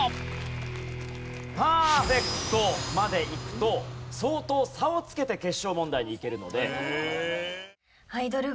パーフェクトまでいくと相当差をつけて決勝問題にいけるので。